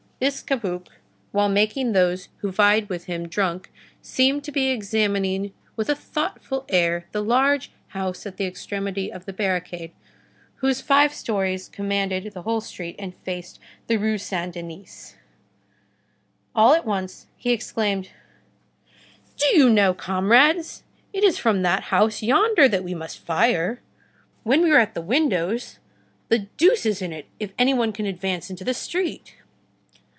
This Cabuc, while making those who vied with him drunk seemed to be examining with a thoughtful air the large house at the extremity of the barricade, whose five stories commanded the whole street and faced the Rue Saint Denis. All at once he exclaimed:— "Do you know, comrades, it is from that house yonder that we must fire. When we are at the windows, the deuce is in it if any one can advance into the street!"